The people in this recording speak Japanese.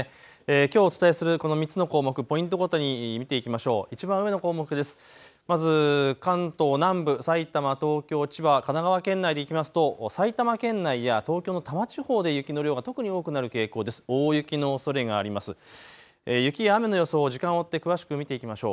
きょうお伝えする３つの項目ポイントごとに見ていきましょう。